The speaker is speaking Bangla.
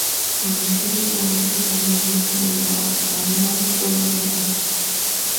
আমি শুধু জানতে চাই উনি কোন বক্স ব্যবহার করেছেন।